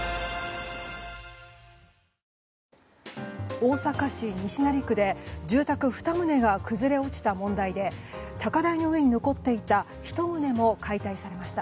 大阪市西成区で住宅２棟が崩れ落ちた問題で高台の上に残っていた１棟も解体されました。